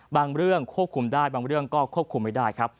บางเรื่องควบคุมได้บางเรื่องก็ควบคุมไม่ได้ครับ